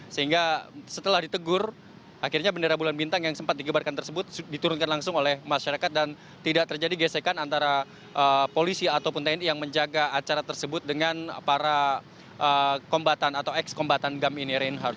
sehingga setelah ditegur akhirnya bendera bulan bintang yang sempat digebarkan tersebut diturunkan langsung oleh masyarakat dan tidak terjadi gesekan antara polisi ataupun tni yang menjaga acara tersebut dengan para kombatan atau ex kombatan gam ini reinhardt